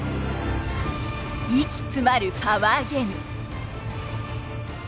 息詰まるパワーゲーム。